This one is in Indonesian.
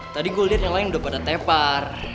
tadi gue liat yang lain udah pada tepar